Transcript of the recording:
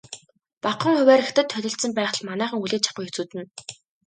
Багахан хувиар Хятад холилдсон байхад л манайхан хүлээж авахгүй хэцүүднэ.